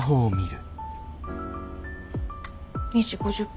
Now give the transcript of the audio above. ２時５０分です。